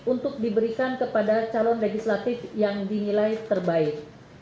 untuk diberikan kepada calon legislatif yang dinilai terbaik